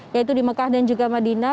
yaitu di mekah dan juga madinah